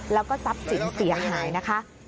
แล้วก็ทรัพย์สินเสียหายนะคะ